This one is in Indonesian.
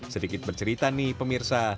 sedikit bercerita nih pemirsa